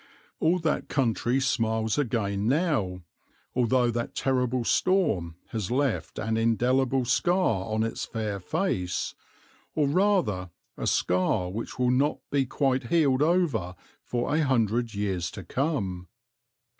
All that country smiles again now, although that terrible storm has left an indelible scar on its fair face, or rather a scar which will not be quite healed over for a hundred years to come.